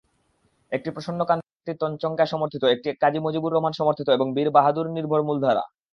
একটি প্রসন্ন কান্তি তঞ্চঙ্গ্যা-সমর্থিত, একটি কাজী মজিবুর রহমান-সমর্থিত এবং বীর বাহাদুরনির্ভর মূলধারা।